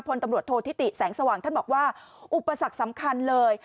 พลตำรวจโทษธิติแสงสว่างท่านบอกว่าอุปสรรคสำคัญเลย